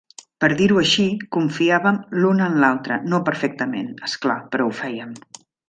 Per dir-ho així, confiàvem l'un en l'altre, no perfectament, és clar, però ho fèiem.